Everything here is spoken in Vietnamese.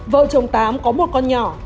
vợ chồng tám có một con nhỏ